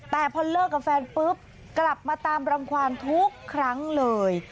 แต่พอเลิกกับแฟนปุ๊บกลับมาตามรังความทุกครั้งเลย